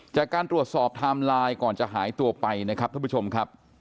จากการตรวจสอบไทม์ไลน์ก่อนจะหายตัวไปนะครับท่านผู้ชมครับ